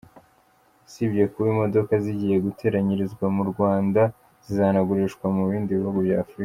Usibye kuba imodoka zigiye guteranyirizwa mu Rwanda zizanagurishwa mu bindi bihugu bya Afrika.